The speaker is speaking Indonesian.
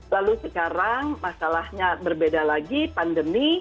lalu sekarang masalahnya berbeda lagi pandemi